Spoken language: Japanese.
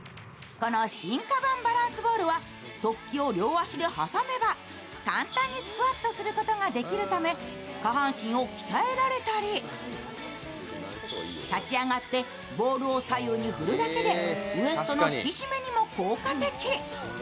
この進化版バランスボールは突起を両足で挟めば簡単にスクワットすることができるため、下半身を鍛えられたり、立ち上がってボールを左右に振るだけでウエストの引き締めにも効果的。